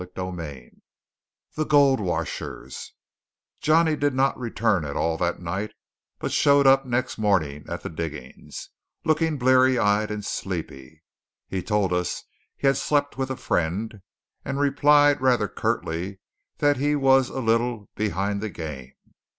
CHAPTER XX THE GOLD WASHERS Johnny did not return at all that night, but showed up next morning at the diggings, looking blear eyed and sleepy. He told us he had slept with a friend, and replied rather curtly that he was a "little behind the game."